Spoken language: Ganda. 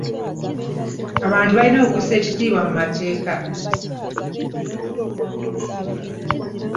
Abantu balina okussa ekitiibwwa mu mateeka.